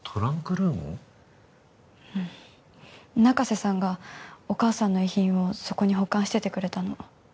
中瀬さんがお母さんの遺品をそこに保管しててくれたの。